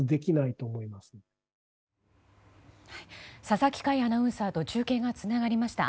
佐々木快アナウンサーと中継がつながりました。